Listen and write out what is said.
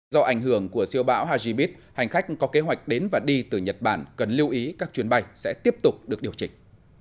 do ảnh hưởng của siêu bão hajibis hành khách có kế hoạch đến và đi từ nhật bản cần lưu ý các chuyến bay sẽ tiếp tục được điều chỉnh